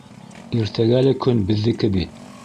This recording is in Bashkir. Иртәгә лә көн беҙҙеке бит.